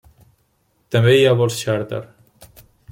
També hi ha vols xàrter.